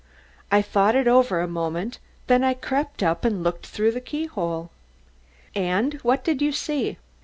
I thought it over a moment, then I crept up and looked through the keyhole." "And what did you see?"